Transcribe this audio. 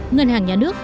một ngân hàng nhà nước